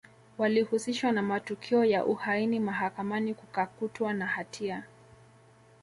Walihusishwa na matukio ya uhaini Mahakamani wakakutwa na hatia